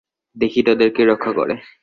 দেখি তোদের কে রক্ষা করে।